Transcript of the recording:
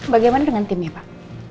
bagaimana dengan timnya pak